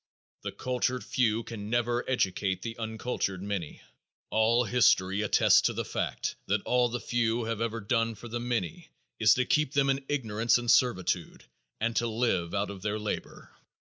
The cultured few can never educate the uncultured many. All history attests the fact that all the few have ever done for the many is to keep them in ignorance and servitude and live out of their labor.